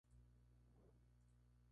Ascendió así por segunda vez.